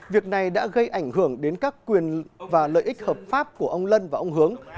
việc này đã gây ảnh hưởng đến các quyền và lợi ích hợp pháp của ông lân và ông hướng